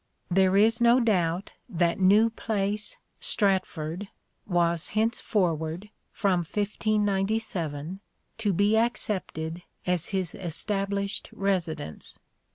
" There is no doubt that New Place (Stratford) was henceforward (from 1597) to be accepted as his established residence.